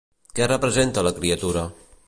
Què representa la criatura?